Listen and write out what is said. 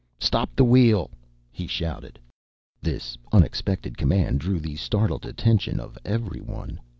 "Stop the wheel!" he shouted. This unexpected command drew the startled attention of everyone.